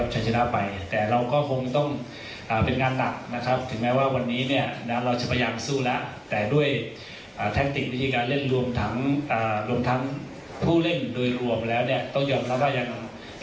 ใช่ไหมดีถามจุธที่เล่นสำนักช่วย